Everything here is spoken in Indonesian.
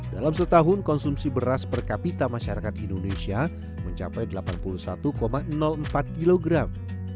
dalam setahun konsumsi beras per kapita masyarakat indonesia mencapai delapan puluh satu empat kilogram